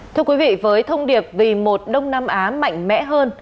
thưa quý vị với thông điệp vì một đông nam á mạnh mẽ hơn